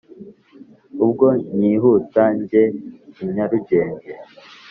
ubwo nkihuta njye i nyarugenge